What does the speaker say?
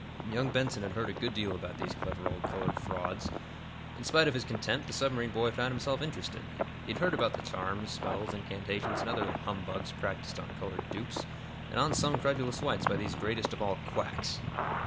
Young Benson had heard a good deal about these clever old colored frauds. In spite of his contempt, the submarine boy found himself interested. He had heard about the charms, spells, incantations and other humbugs practised on colored dupes and on some credulous whites by these greatest of all quacks.